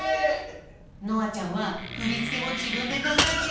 のあちゃんはふりつけもじぶんでかんがえているんだよ！